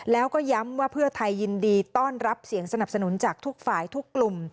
แล้วก็ย้ำว่าเพื่อไทยยินดีต้อนรับเสียงสนับสนุนจากทุกฝ่ายทุกกลุ่ม